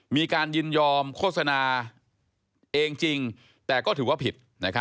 มีการยินยอมโฆษณาเองจริงแต่ก็ถือว่าผิด